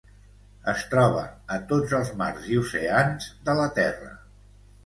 Es troba a tots els mars i oceans de la Terra.